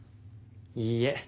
いいえ。